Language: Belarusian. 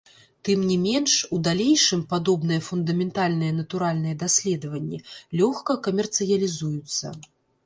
Тым не менш, у далейшым падобныя фундаментальныя натуральныя даследаванні лёгка камерцыялізуюцца.